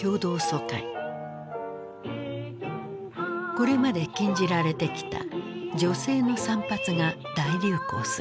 これまで禁じられてきた女性の散髪が大流行する。